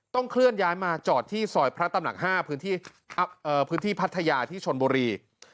เคลื่อนย้ายมาจอดที่ซอยพระตำหนัก๕พื้นที่พัทยาที่ชนบุรี